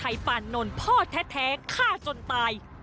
ใครป่านโน่นพ่อแท้ฆ่าจนตาย